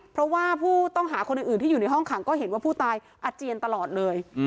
เพราะว่าผู้ต้องหาคนอื่นที่อยู่ในห้องขังก็เห็นว่าผู้ตายอาเจียนตลอดเลย